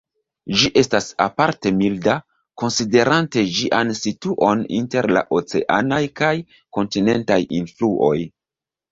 Ĝi estas aparte milda, konsiderante ĝian situon inter la oceanaj kaj kontinentaj influoj.